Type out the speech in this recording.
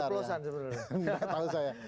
atau keceplosan sebenarnya